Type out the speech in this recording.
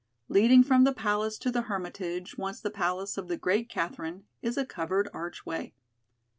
Leading from the Palace to the Hermitage, once the palace of the great Catherine, is a covered archway.